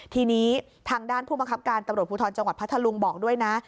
ทีนี้ทางด้านผู้มังคับการตำรวจภูทรจังหวัดพัทธลุงบอกด้วยนะ